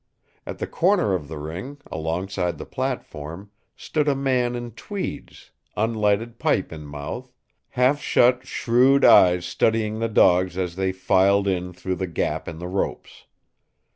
At the corner of the ring, alongside the platform, stood a man in tweeds, unlighted pipe in mouth, half shut shrewd eyes studying the dogs as they filed in through the gap in the ropes.